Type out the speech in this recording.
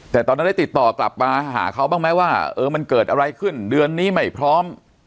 แต่ตอนนั้นได้ติดต่อกลับมาหาเขาบ้างไหมว่าเออมันเกิดอะไรขึ้นเดือนนี้ไม่พร้อม